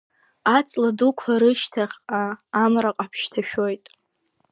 Аҵла дуқәа рышьҭахьҟа Амра ҟаԥшь ҭашәоит.